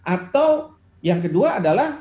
atau yang kedua adalah